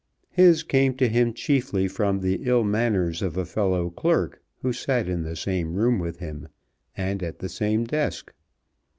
His came to him chiefly from the ill manners of a fellow clerk who sat in the same room with him, and at the same desk.